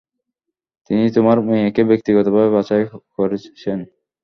তিনি তোমার মেয়েকে ব্যক্তিগতভাবে বাছাই করেছেন।